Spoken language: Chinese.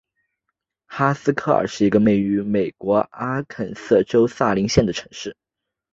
哈斯克尔是一个位于美国阿肯色州萨林县的城市。